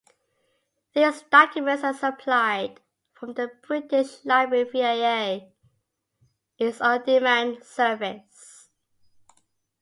These documents are supplied from the British Library via its On Demand service.